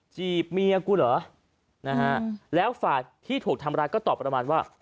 จีบเมียกูเหรอนะฮะแล้วฝ่ายที่ถูกทำร้ายก็ตอบประมาณว่า